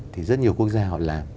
thì rất nhiều quốc gia họ làm